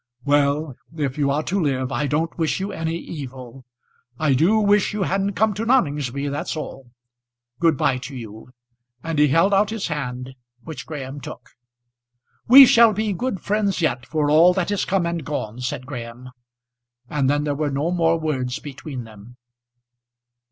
"Well, if you are to live, I don't wish you any evil. I do wish you hadn't come to Noningsby, that's all. Good bye to you." And he held out his hand, which Graham took. "We shall be good friends yet, for all that is come and gone," said Graham; and then there were no more words between them.